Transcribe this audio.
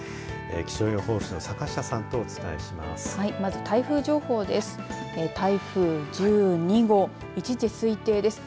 気象予報士の坂下さんとお伝えします。